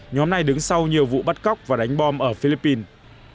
nhóm này đứng sau nhiều vụ bắt cóc và đánh bom ở philippines